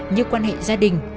như quan hệ gia đình